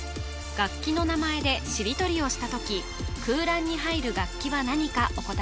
楽器の名前でしりとりをした時空欄に入る楽器は何かお答え